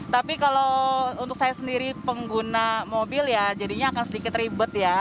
tapi kalau untuk saya sendiri pengguna mobil ya jadinya akan sedikit ribet ya